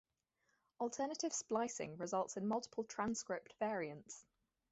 Alternative splicing results in multiple transcript variants.